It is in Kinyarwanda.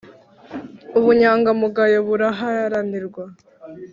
Ubunyangamugayo buraharanirwa